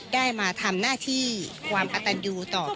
ได้มาทำหน้าที่ความอัตโนยุต่อพระองค์